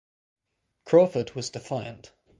Crawford was defiant.